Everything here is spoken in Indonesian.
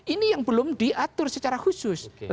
ini yang belum diatur secara khusus